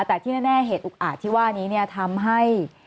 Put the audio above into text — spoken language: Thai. แต่ที่แน่เหตุอุกอาจที่ว่านี้เนี่ยทำให้